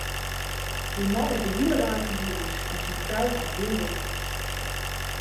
Dy man is de hiele dei fan hûs en syn frou hat gjin wurk.